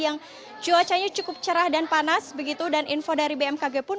yang cuacanya cukup cerah dan panas begitu dan info dari bmkg pun